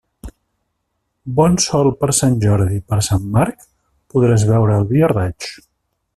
Bon sol per Sant Jordi i per Sant Marc, podràs beure el vi a raig.